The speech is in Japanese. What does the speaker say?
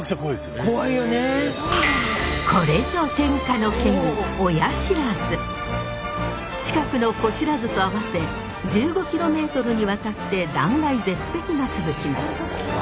これぞ天下の険近くの子不知と合わせ１５キロメートルにわたって断崖絶壁が続きます。